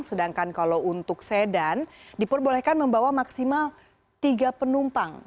sedangkan kalau untuk sedan diperbolehkan membawa maksimal tiga penumpang